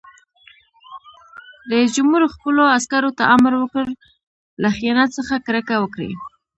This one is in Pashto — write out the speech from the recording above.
رئیس جمهور خپلو عسکرو ته امر وکړ؛ له خیانت څخه کرکه وکړئ!